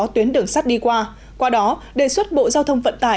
thu hoạch vận chuyển